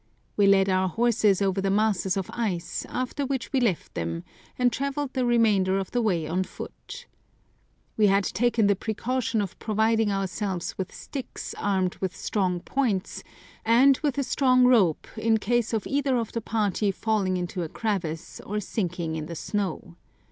We led our horses over the masses of ice, after which we left them, and travelled the remainder of the way on foot. We had taken the precaution of providing ourselves with sticks armed with strong points, and with a strong rope in case of either of the party falling into a crevasse, or sinking in the snow.